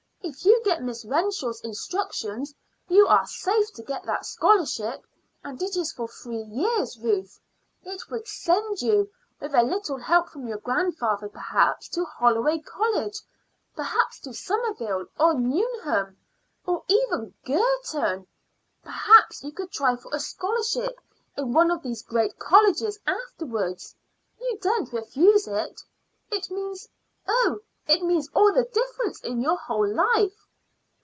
If you get Miss Renshaw's instruction you are safe to get that scholarship; and it is for three years, Ruth. It would send you, with a little help from your grandfather, perhaps to Holloway College, perhaps to Somerville or Newnham, or even Girton. Perhaps you could try for a scholarship in one of these great colleges afterwards. You daren't refuse it. It means oh, it means all the difference in your whole life."